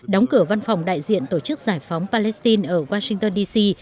đóng cửa văn phòng đại diện tổ chức giải phóng palestine ở washington dc